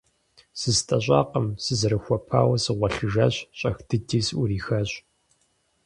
ЗыстӀэщӀакъым, сызэрыхуэпауэ сыгъуэлъыжащ, щӀэх дыди сыӀурихащ.